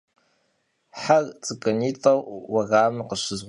Her ts'ık'unit'eu vueramım khışızğuetat.